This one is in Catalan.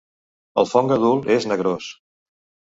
El fong adult és negrós.